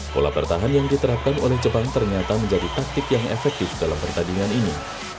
pola pertahanan yang diterapkan oleh jepang ternyata menjadi taktik yang efektif dalam pertandingan ini